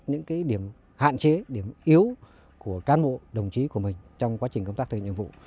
những điểm hạn chế điểm yếu của cán bộ đồng chí của mình trong quá trình công tác thực nhiệm vụ